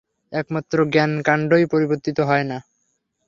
একমাত্র জ্ঞানকাণ্ডই পরিবর্তিত হয় না।